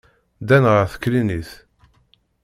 Ddan ɣer teklinit.